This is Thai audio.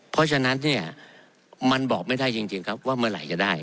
เพราะฉะนั้นเนี่ยมันบอกไม่ได้จริงครับว่าเมื่อไหร่จะได้